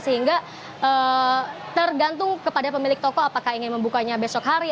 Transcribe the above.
sehingga tergantung kepada pemilik toko apakah ingin membukanya besok hari